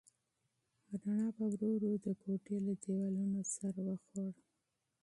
رڼا په ورو ورو د کوټې له دیوالونو سر وخوړ.